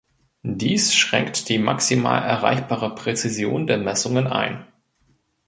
Dies schränkt die maximal erreichbare Präzision der Messungen ein.